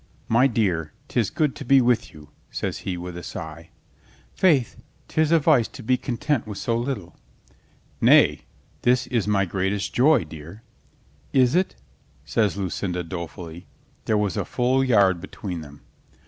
"My dear, 'tis good to be with you," says he with a sigh. "Faith, 'tis a vice to be content with so little." "Nay, this is my greatest joy, dear." "Is it?" says Lucinda dolefully. There was a full yard between them.